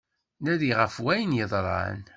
Nadi ɣef wayen yeḍran.